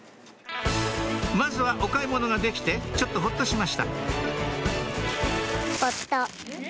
まずはお買い物ができてちょっとほっとしました